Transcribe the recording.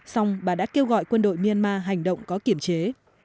xong bà đã kêu gọi quân đội myanmar hành động có kiểm chế